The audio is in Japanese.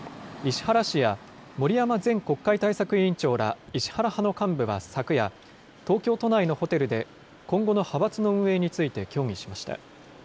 これを受けて、石原氏や森山前国会対策委員長ら石原派の幹部は昨夜、東京都内のホテルで今後の派閥の運営について協議しました。